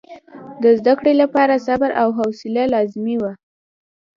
د زده کړې لپاره صبر او حوصله لازمي وه.